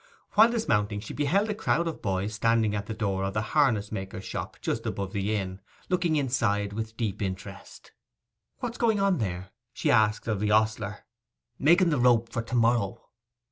While dismounting she beheld a crowd of boys standing at the door of a harness maker's shop just above the inn, looking inside it with deep interest. 'What is going on there?' she asked of the ostler. 'Making the rope for to morrow.